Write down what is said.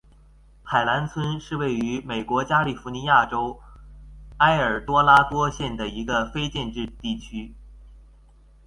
海兰村是位于美国加利福尼亚州埃尔多拉多县的一个非建制地区。